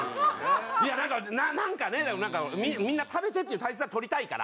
いやなんかなんかねみんな食べてって態勢は取りたいから。